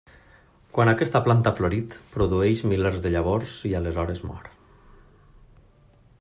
Quan aquesta planta ha florit produeix milers de llavors i aleshores mor.